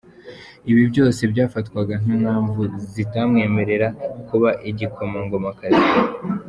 Ibi byose byafatwaga nk’impamvu zitamwemerera kuba igikomangomakazi.